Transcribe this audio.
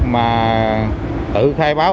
mà tự khai báo